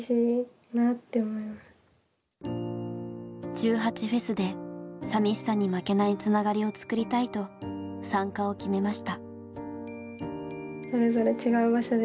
１８祭でさみしさに負けないつながりを作りたいと参加を決めました。